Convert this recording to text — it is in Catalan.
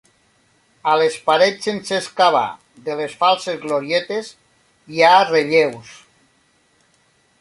A les parets sense excavar de les falses glorietes hi ha relleus.